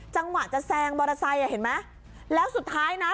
จังหวะจะแซงมอเตอร์ไซค์อ่ะเห็นไหมแล้วสุดท้ายนะ